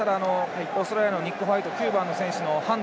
オーストラリアのニック・ホワイト９番の選手の判断